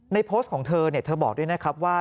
โพสต์ของเธอเธอบอกด้วยนะครับว่า